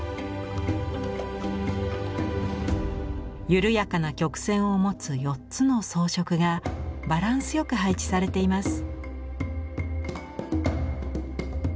緩やかな曲線を持つ４つの装飾がバランスよく配置されています。